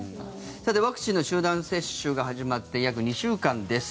ワクチンの集団接種が始まって約２週間です。